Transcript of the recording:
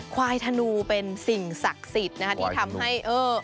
ควายธนูเป็นสิ่งศักดิ์สิทธิ์นะคะที่ทำให้เออ